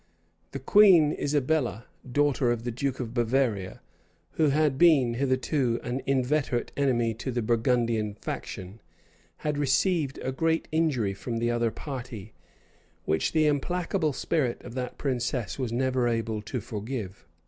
The queen, Isabella, daughter of the duke of Bavaria, who had been hitherto an inveterate enemy to the Burgundian faction, had received a great injury from the other party, which the implacable spirit of that princess was never able to forgive.